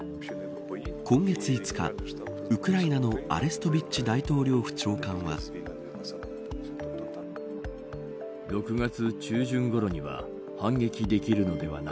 今月５日、ウクライナのアレストビッチ大統領府長官は。と、明かしました。